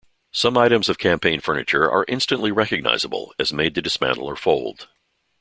Some items of campaign furniture are instantly recognizable as made to dismantle or fold.